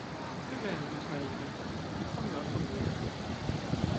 Du är ändå snäll, du, Daniel, som gör som mor vill.